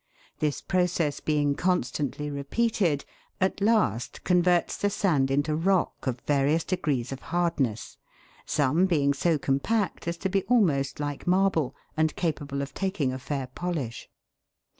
This process being constantly repeated, at last converts the sand into rock of various degrees of hardness, some being so compact as to be almost like marble, and capable of taking a fair polish.